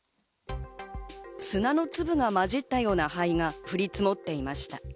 砂の粒がまじったような灰が降り積もっていました。